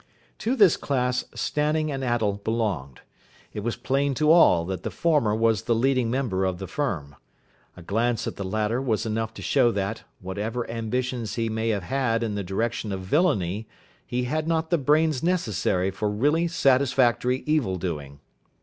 To this class Stanning and Attell belonged. It was plain to all that the former was the leading member of the firm. A glance at the latter was enough to show that, whatever ambitions he may have had in the direction of villainy, he had not the brains necessary for really satisfactory evildoing.